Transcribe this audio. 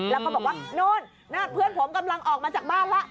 แล้วก็บอกว่าโน่นนั่นเพื่อนผมกำลังออกมาจากบ้านแล้ว